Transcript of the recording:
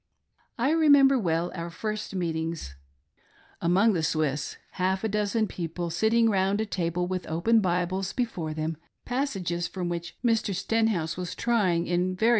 I remember well our first meetings among the Il6 MY OWN MISSIONARY WORK. Swiss :— half a dozen people sitting round a table with opea Bibles before them, passages from which Mr. Stenhouse was trying in very.